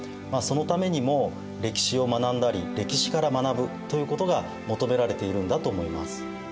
そのためにも歴史を学んだり歴史から学ぶということが求められているんだと思います。